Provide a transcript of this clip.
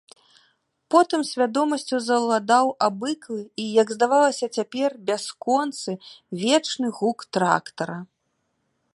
Потым свядомасцю заўладаў абыклы і, як здавалася цяпер, бясконцы, вечны гук трактара.